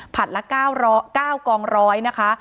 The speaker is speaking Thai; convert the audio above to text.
ละ๙กองร้อยนะคะ